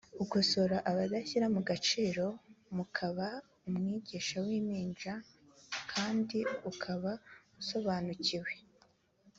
ukosora abadashyira mu gaciro m ukaba umwigisha w impinja n kandi ukaba usobanukiwe